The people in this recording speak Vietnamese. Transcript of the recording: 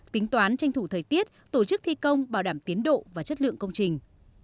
tính toán tranh thủ thời tiết tổ chức thi công bảo đảm tiến độ và chất lượng công trình